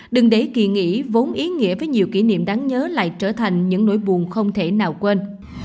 đừng để kỳ nghỉ vốn ý nghĩa với nhiều kỷ niệm đáng nhớ lại trở thành những nỗi buồn không thể nào quên